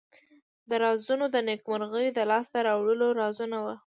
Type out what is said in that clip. دا رازونه د نیکمرغیو د لاس ته راوړلو رازونه وو.